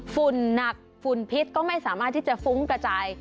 ฝุ่นหนักฝุ่นพิษก็ไม่สามารถที่จะฟุ้งกระจาย